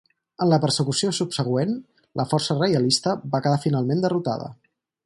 En la persecució subsegüent, la força reialista va quedar finalment derrotada.